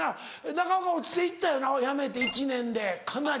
中岡落ちて行ったよなやめて１年でかなり。